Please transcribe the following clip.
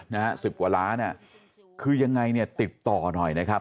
นะฮะสิบกว่าล้านอ่ะคือยังไงเนี่ยติดต่อหน่อยนะครับ